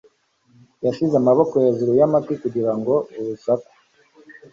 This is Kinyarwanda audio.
yashyize amaboko hejuru y'amatwi kugira ngo urusaku